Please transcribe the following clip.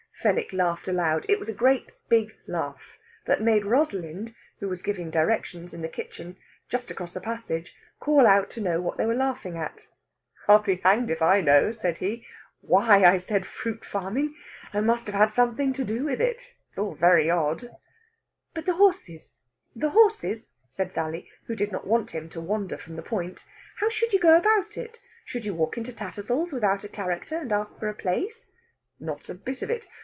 Fenwick laughed aloud. It was a great big laugh, that made Rosalind, who was giving directions in the kitchen, just across the passage, call out to know what they were laughing at. "I'll be hanged if I know," said he, "why I said fruit farming I must have had something to do with it. It's all very odd." "But the horses the horses," said Sally, who did not want him to wander from the point. "How should you go about it? Should you walk into Tattersall's without a character, and ask for a place?" "Not a bit of it!